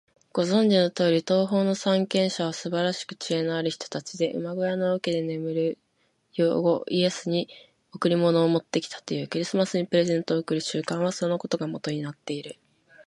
ご存じのとおり、東方の三賢者はすばらしく知恵のある人たちで、馬小屋の桶で眠る幼子イエスに贈り物を持ってきたという。クリスマスにプレゼントを贈る習慣は、そのことがもとになっている。